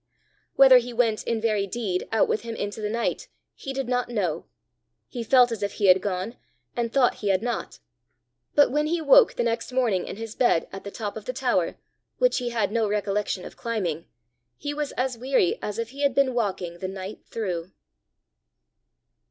Whether he went in very deed out with him into the night, he did not know he felt as if he had gone, and thought he had not but when he woke the next morning in his bed at the top of the tower, which he had no recollection of climbing, he was as weary as if he had been walking the night through.